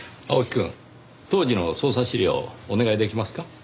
青木くん当時の捜査資料をお願いできますか？